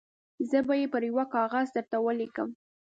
زه به یې پر یوه کاغذ درته ولیکم.